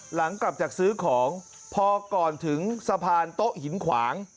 หลังกลับจากซื้อของพอก่อนถึงสะพานโต๊ะหินขวาง